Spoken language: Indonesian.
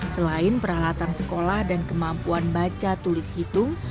selain peralatan sekolah dan kemampuan baca tulis hitung